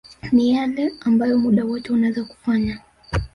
ni yale ambayo muda wote unaweza kufanya